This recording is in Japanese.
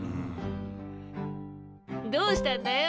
どうしたんだよ？